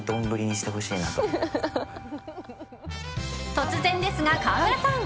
突然ですが、川村さん。